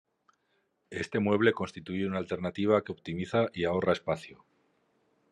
Este mueble constituye una alternativa que optimiza y ahorra espacio.